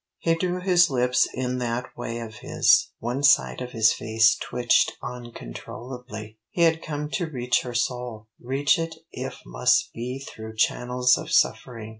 He drew in his lips in that way of his; one side of his face twitched uncontrollably. He had come to reach her soul, reach it if must be through channels of suffering.